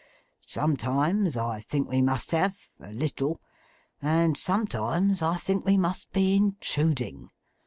Sometimes I think we must have—a little; and sometimes I think we must be intruding.